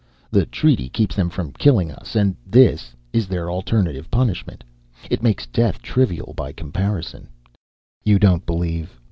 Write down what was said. The treaty keeps them from killing us and this is their alternative punishment. It makes death trivial by comparison.... You don't believe.